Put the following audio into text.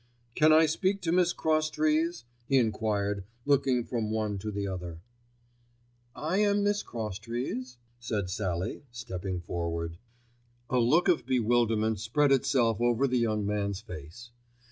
"Can I speak to Miss Crosstrees?" he enquired, looking from one to the other. "I am Miss Crosstrees," said Sallie stepping forward. A look of bewilderment spread itself over the young man's face.